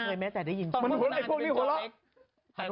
พอทันหน่อย